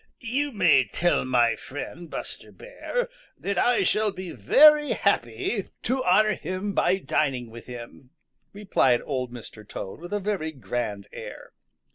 "You may tell my friend, Buster Bear, that I shall be very happy to honor him by dining with him," replied Old Mr. Toad with a very grand air.